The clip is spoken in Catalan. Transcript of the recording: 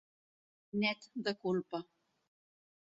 Net de culpa.